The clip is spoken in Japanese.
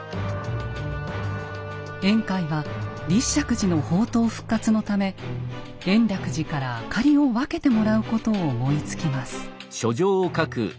円海は立石寺の法灯復活のため延暦寺から灯りを分けてもらうことを思いつきます。